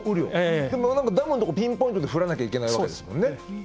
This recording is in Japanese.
でも、ダムのところピンポイントで降らなきゃいけないわけですもんね。